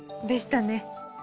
でしたね。